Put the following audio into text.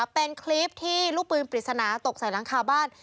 เป็นคลิปที่ลูกปืนปริศนาตกใส่หลังคาบ้าน